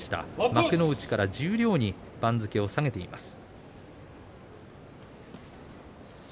幕内から十両に番付を下げています。